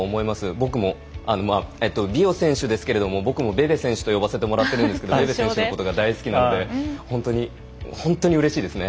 僕もビオ選手ですけれども僕もベベ選手と呼ばせてもらっているんですけどベベ選手のことが大好きなので本当にうれしいですね